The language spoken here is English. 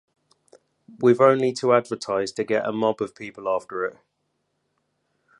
We've only to advertise, to get a mob of people after it.